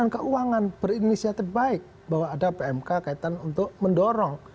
kementerian keuangan berinisiatif baik bahwa ada pmk kaitan untuk mendorong